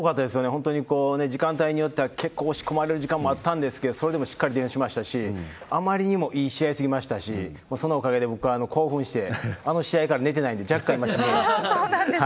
本当に時間帯によっては結構押し込まれる時間もあったんですけど、それでもしっかりゲイしましたし、あまりにもいい試合すぎましたし、そのおかげで僕、興奮して、寝れなくてあの試合から若干、今しんそうなんです。